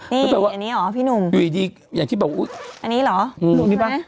นี่อันนี้หรอพี่หนุ่มอย่างที่แบบอุ๊ยอันนี้หรอพี่หนุ่มนี่ป่ะ